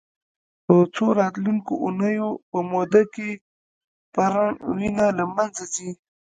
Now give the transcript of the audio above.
په څو راتلونکو اونیو په موده کې پرڼ وینه له منځه ځي.